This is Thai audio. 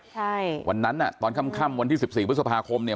ใช่วันนั้นอ่ะตอนค่ำวันที่สิบสี่พฤษภาคมเนี่ย